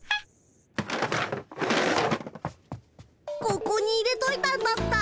ここに入れといたんだった。